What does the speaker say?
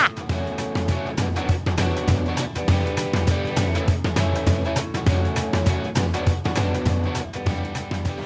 องค์ข้อ๐๐๐